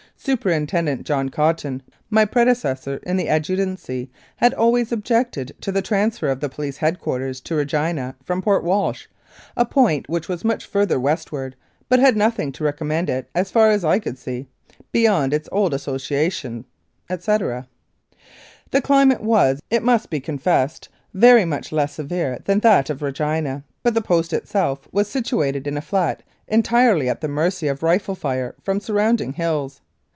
Superintendent John Cotton, my prede cessor in the adjutancy, had always objected to the transfer of the police head quarters to Regina from Port Walsh, a point which was much farther westward, but had nothing to recommend it as far as I could see, beyond its old associations, etc. The climate was, it must be confessed, very much less severe than that of Regina, but the post itself was situated in a flat entirely at the mercy of rifle fire from surrounding hills.